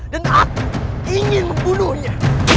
dan aku ingin membunuhnya